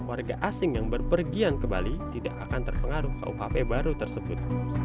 warga asing yang berpergian ke bali tidak akan terpengaruh kuhp baru tersebut